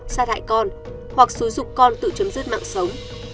sát hại con hoặc xứ dục con tự chấm dứt mạng sống